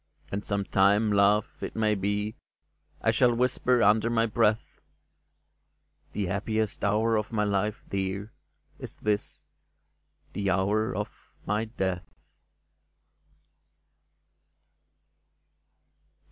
" And sometime, love, it may be, I shall whisper under my breath :*' The happiest hour of my life, dear, Is this — the hour of my death